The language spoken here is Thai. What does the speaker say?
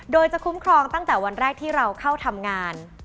โดยจะคุ้มครองตั้งแต่วันแรกที่เราเข้าทำงาน